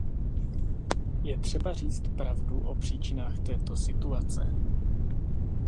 Je třeba říct pravdu o příčinách této situace.